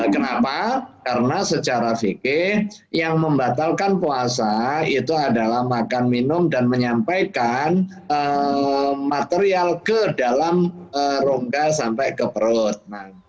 kenapa karena secara fikir yang membatalkan puasa itu adalah makan minum dan menyampaikan material ke dalam rongga sampai ke perut